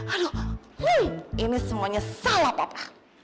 aduh ini semuanya salah pa pa